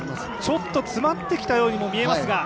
ちょっと詰まってきたように見えますが。